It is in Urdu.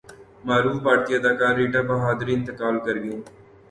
معروف بھارتی اداکارہ ریٹا بہادری انتقال کرگئیں